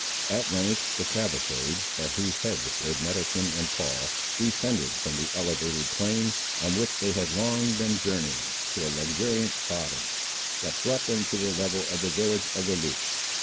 At length the cavalcade, at whose head rode Middleton and Paul, descended from the elevated plain, on which they had long been journeying, to a luxuriant bottom, that brought them to the level of the village of the Loups.